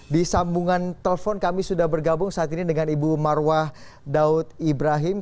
di sambungan telepon kami sudah bergabung saat ini dengan ibu marwah daud ibrahim